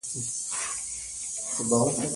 تر څو له هېريدو او ورکېدو څخه وژغوري.